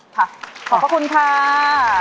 ค่ะขอบคุณค่า